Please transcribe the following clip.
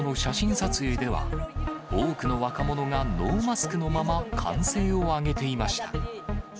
撮影では、多くの若者がノーマスクのまま、歓声を上げていました。